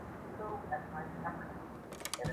আমি ভেবেছিলাম ও আমার অতিথি হতে পছন্দ করে।